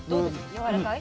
やわらかい？